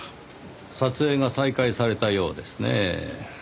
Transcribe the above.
撮影が再開されたようですねぇ。